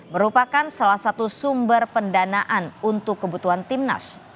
merupakan salah satu sumber pendanaan untuk kebutuhan timnas